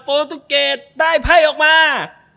ตุเกตได้ไพ่ออกมา